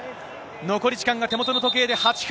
残り時間が手元の時計で８分。